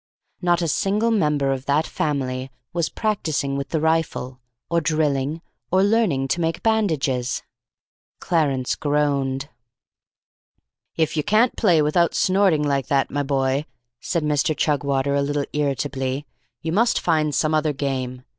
Not a single member of that family was practising with the rifle, or drilling, or learning to make bandages. Clarence groaned. "If you can't play without snorting like that, my boy," said Mr. Chugwater, a little irritably, "you must find some other game.